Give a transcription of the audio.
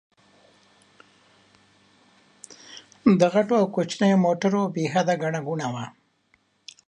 د غټو او کوچنيو موټرو بې حده ګڼه ګوڼه وه.